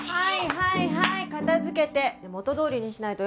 はい